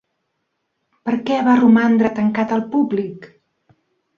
Per què va romandre tancat al públic?